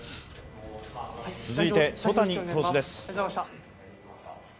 続いて、曽谷投手です。